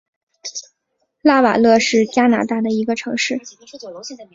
拉瓦勒是加拿大的一个城市。